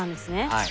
はい。